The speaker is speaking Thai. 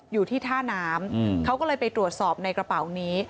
อยู่ที่ท่าน้ำเขาก็เลยไปตรวจสอบในกระเป๋านี้